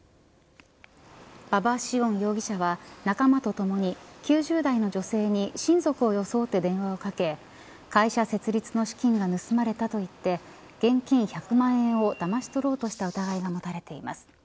馬場清温容疑者は仲間とともに９０代の女性に親族を装って電話をかけ会社設立の資金が盗まれたと言って現金１００万円をだまし取ろうとした疑いが持たれています。